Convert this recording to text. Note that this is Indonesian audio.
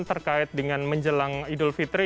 terkait dengan menjelang idul fitri